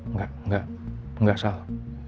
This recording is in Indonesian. enggak enggak enggak salah